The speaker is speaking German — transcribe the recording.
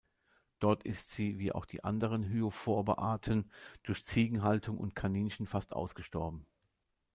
Dort ist sie, wie auch die anderen Hyophorbe-Arten, durch Ziegenhaltung und Kaninchen fast ausgestorben.